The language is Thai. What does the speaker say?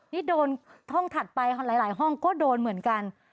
นี่โดนห้องถัดไปค่ะหลายห้องก็โดนเหมือนกัน